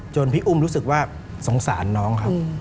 พี่อุ้มรู้สึกว่าสงสารน้องครับ